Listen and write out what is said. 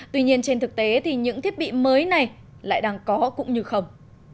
tuy nhiên trên thực tế thì những thiết bị mới này lại đang có cũng như không